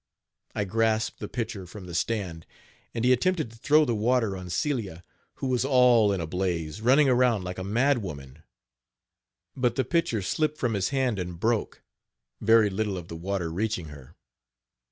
I grasped the pitcher from the stand, and he attempted to throw the water on Celia, who was all in a blaze, running around like a mad woman; but the pitcher slipped from his hand and broke, very little of the water reaching her.